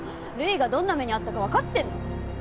瑠衣がどんな目に遭ったかわかってんの？